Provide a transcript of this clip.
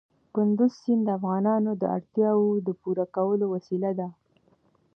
کندز سیند د افغانانو د اړتیاوو د پوره کولو وسیله ده.